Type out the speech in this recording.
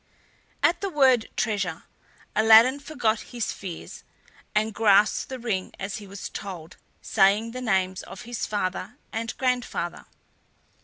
At the word treasure Aladdin forgot his fears, and grasped the ring as he was told, saying the names of his father and grandfather.